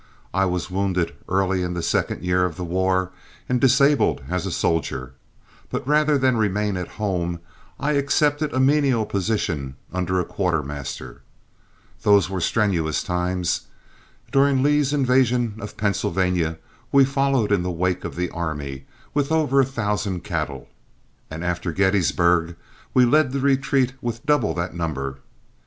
I was wounded early in the second year of the war and disabled as a soldier, but rather than remain at home I accepted a menial position under a quartermaster. Those were strenuous times. During Lee's invasion of Pennsylvania we followed in the wake of the army with over a thousand cattle, and after Gettysburg we led the retreat with double that number.